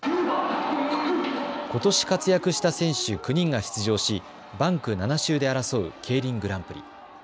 ことし活躍した選手９人が出場しバンク７周で争うＫＥＩＲＩＮグランプリ。